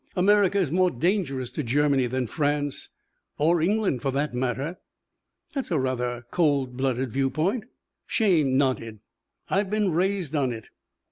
America is more dangerous to Germany than France or England, for that matter." "That's a rather cold blooded viewpoint." Shayne nodded. "I've been raised on it.